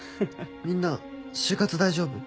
みんな就活大丈夫？